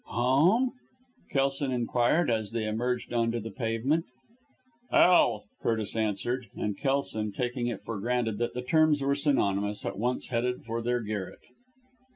"Home?" Kelson inquired, as they emerged on to the pavement. "Hell!" Curtis answered, and Kelson, taking it for granted that the terms were synonymous, at once headed for their garret.